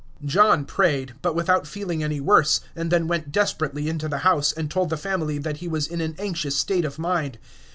John prayed, but without feeling any worse, and then went desperately into the house, and told the family that he was in an anxious state of mind.